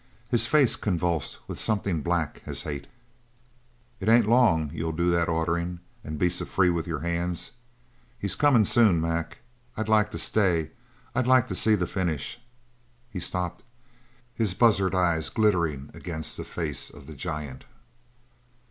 His face convulsed with something black as hate. "It ain't long you'll do the orderin' and be so free with your hands. He's comin' soon! Mac, I'd like to stay I'd like to see the finish " he stopped, his buzzard eyes glittering against the face of the giant.